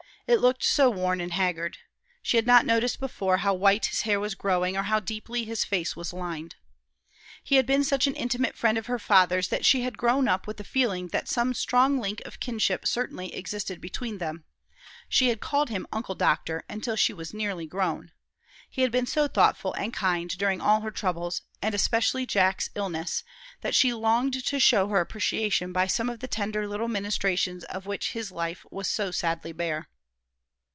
It looked so worn and haggard. She had not noticed before how white his hair was growing, or how deeply his face was lined. He had been such an intimate friend of her father's that she had grown up with the feeling that some strong link of kinship certainly existed between them. She had called him "Uncle Doctor" until she was nearly grown. He had been so thoughtful and kind during all her troubles, and especially in Jack's illness, that she longed to show her appreciation by some of the tender little ministrations of which his life was so sadly bare.